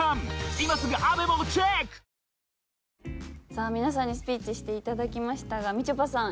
さあ皆さんにスピーチしていただきましたがみちょぱさん